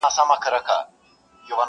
د غازیانو له شامته هدیرې دي چي ډکیږی؛